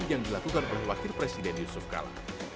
yang dilakukan oleh wakil presiden yusuf kala